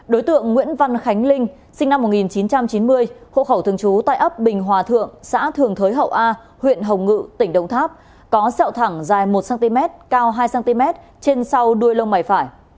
đối tượng nguyễn văn khánh linh sinh năm một nghìn chín trăm chín mươi hộ khẩu thường trú tại ấp bình hòa thượng xã thường thới hậu a huyện hồng ngự tỉnh đồng tháp có sẹo thẳng dài một cm cao hai cm trên sau đuôi lông mày phải